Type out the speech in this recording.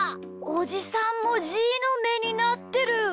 おじさんもじーのめになってる！